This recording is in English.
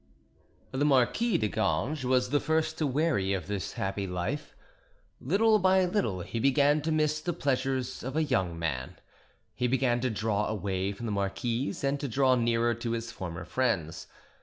The Marquis de Ganges was the first to weary of this happy life. Little by little he began to miss the pleasures of a young man; he began to draw away from the marquise and to draw nearer to his former friends.